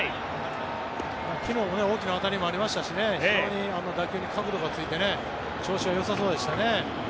昨日も大きな当たりもありましたし非常に打球に角度がついて調子がよさそうでしたね。